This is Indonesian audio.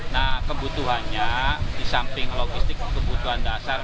nah kebutuhannya di samping logistik kebutuhan dasar